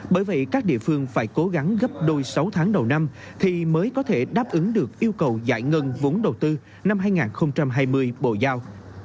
bởi vậy các địa phương phải cố gắng gấp đôi sáu tháng đầu năm thì mới có thể đáp ứng được yêu cầu giải ngân vốn đầu tư năm hai nghìn hai mươi bộ giao